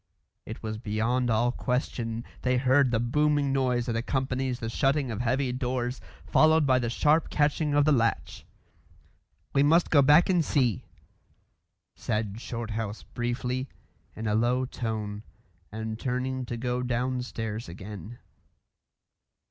It was beyond all question; they heard the booming noise that accompanies the shutting of heavy doors, followed by the sharp catching of the latch. "We must go back and see," said Shorthouse briefly, in a low tone, and turning to go downstairs again.